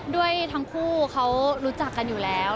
ด้วยทั้งคู่เขารู้จักกันอยู่แล้ว